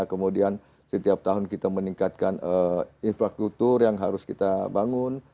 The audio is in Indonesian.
kemudian setiap tahun kita meningkatkan infrastruktur yang harus kita bangun